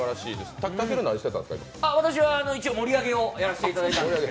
私は一応、盛り上げをやらせていただきました。